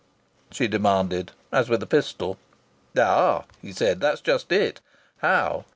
she demanded, as with a pistol. "Ah!" he said. "That's just it. How?